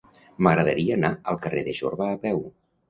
M'agradaria anar al carrer de Jorba a peu.